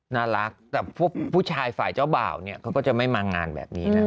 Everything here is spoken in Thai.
น่ารักแต่ผู้ชายฝ่ายเจ้าบ่าวเนี่ยเขาก็จะไม่มางานแบบนี้นะ